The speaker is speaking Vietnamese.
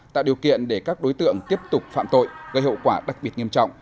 tạo điều kiện để các đối tượng tiếp tục phạm tội gây hậu quả đặc biệt nghiêm trọng